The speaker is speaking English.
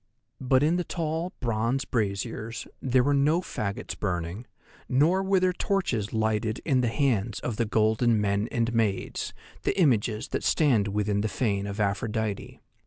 But in the tall, bronze braziers there were no faggots burning, nor were there torches lighted in the hands of the golden men and maids, the images that stand within the fane of Aphrodite.